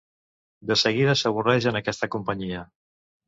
De seguida s'avorreix en aquesta companyia.